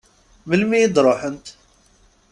Melmi i d-ruḥent?